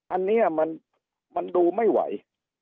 อันนี้มันดูไม่ไหว